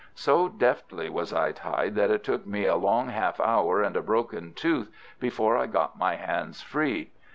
So deftly was I tied, that it took me a long half hour and a broken tooth before I got my hands free.